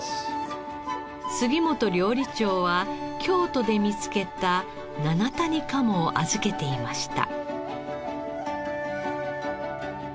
杉本料理長は京都で見つけた七谷鴨を預けていました。